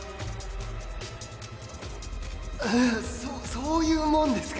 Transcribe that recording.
そそういうもんですかね。